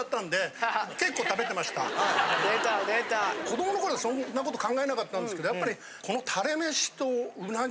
子どもの頃はそんなこと考えなかったんですけどやっぱりこの。